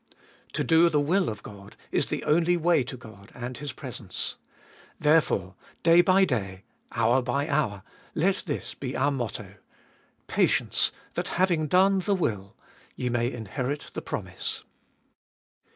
To do the will of God is the only way to God and His presence. Therefore, day by day, hour by hour, let this be our motto : Patience, that having done the will, ye may inherit the promise.